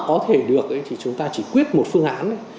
có thể được thì chúng ta chỉ quyết một phương án